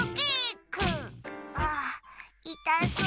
ああいたそう。